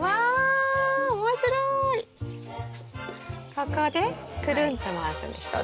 ここでくるんと回すんでしたっけ？